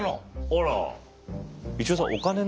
あら。